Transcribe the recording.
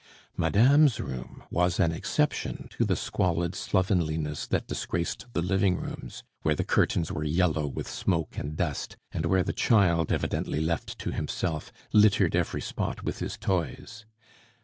Madame's room was an exception to the squalid slovenliness that disgraced the living rooms, where the curtains were yellow with smoke and dust, and where the child, evidently left to himself, littered every spot with his toys.